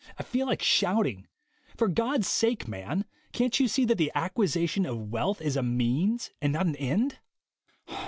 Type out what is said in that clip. I feel like shouting: For God's sake, man, can't you see that the acquisition of wealth is a means and not an end?